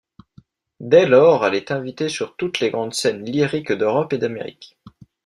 Dès lors, elle est invitée sur toutes les grandes scènes lyriques d'Europe et d'Amérique.